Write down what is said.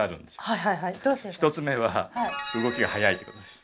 はいはいはい１つ目は動きが速いってことです